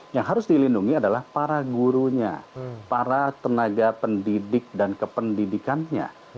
yang harus dilindungi adalah para gurunya para tenaga pendidik dan kependidikannya